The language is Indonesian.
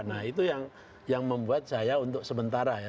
nah itu yang membuat saya untuk sementara ya